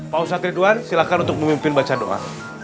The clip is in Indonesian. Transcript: pak ustadz ridwan silahkan untuk memimpin baca doa